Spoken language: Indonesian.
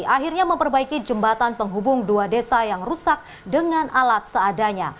akhirnya memperbaiki jembatan penghubung dua desa yang rusak dengan alat seadanya